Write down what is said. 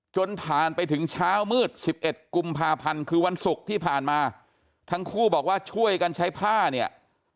จนผ่านไปถึงเช้ามืดสิบเอ็ดกุมภาพันธ์คือวันศุกร์ที่ผ่านมาทั้งคู่บอกว่าช่วยกันใช้ผ้าเนี่ย